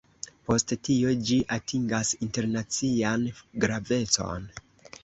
Post tio ĝi atingas internacian gravecon.